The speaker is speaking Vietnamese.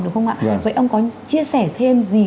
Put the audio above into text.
đúng không ạ vậy ông có chia sẻ thêm gì